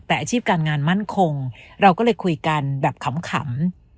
แต่อาชีพการงานมั่นคงเราก็เลยคุยกันแบบขำ